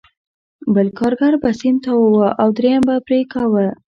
بل کارګر به سیم تاواوه او درېیم به پرې کاوه